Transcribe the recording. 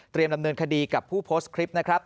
ดำเนินคดีกับผู้โพสต์คลิปนะครับ